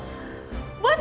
jaw starch yai